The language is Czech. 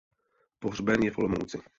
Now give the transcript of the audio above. Pohřben je v Olomouci.